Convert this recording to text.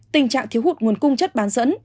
tình trạng thiếu hụt nguồn cung chất bán dẫn